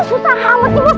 susah hamet tuh bos